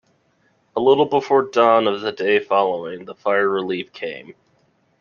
A little before dawn of the day following, the fire relief came.